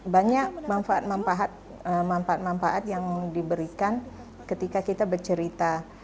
banyak manfaat manfaat yang diberikan ketika kita bercerita